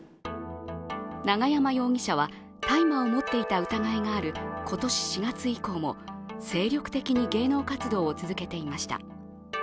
永山容疑者は大麻を持っていた疑いがある今年４月以降も精力的に芸能活動を続けていました。